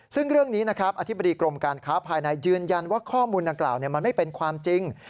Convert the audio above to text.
ซึ่งเรื่องนี้นะครับอธิบดีกรมการค้าภายในยืนยันว่าข้อมูลดังกล่าวมันไม่เป็นความจริง